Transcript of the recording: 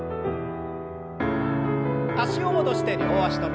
脚を戻して両脚跳び。